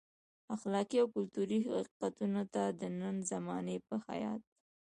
اخلاقي او کلتوري حقیقتونو ته د نن زمانې په خیاط.